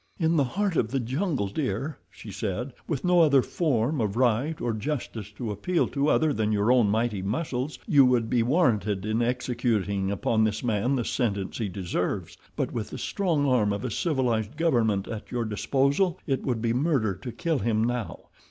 "In the heart of the jungle, dear," she said, "with no other form of right or justice to appeal to other than your own mighty muscles, you would be warranted in executing upon this man the sentence he deserves; but with the strong arm of a civilized government at your disposal it would be murder to kill him now.